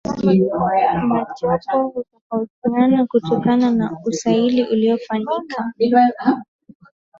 majopo hutofautiana kutoka na usaili uliyofanyika